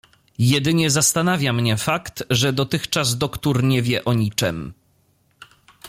"Jedynie zastanawia mnie fakt, że dotychczas doktór nie wie o niczem."